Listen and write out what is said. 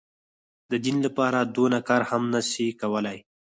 د دين لپاره دونه کار هم نه سي کولاى.